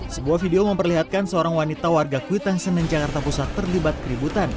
sebuah video memperlihatkan seorang wanita warga kuitang senen jakarta pusat terlibat keributan